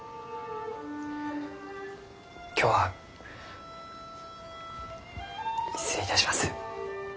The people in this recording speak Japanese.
・今日は失礼いたします。